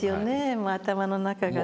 もう頭の中がね。